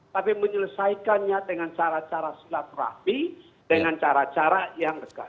tapi menyelesaikannya dengan cara cara silaturahmi dengan cara cara yang dekat